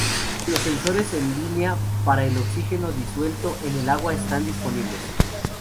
Los sensores en línea para el oxígeno disuelto en el agua están disponibles.